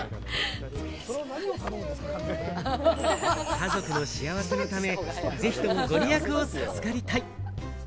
家族の幸せのため、ぜひとも御利益を授かりたい！